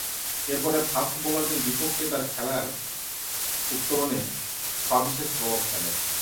এরফলে ফাস্ট বোলারদের বিপক্ষে তার খেলার উত্তরণে সবিশেষ প্রভাব ফেলে।